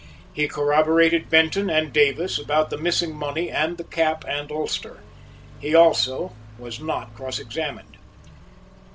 He corroborated Benton and Davis about the missing money and the cap and ulster. He also was not cross examined.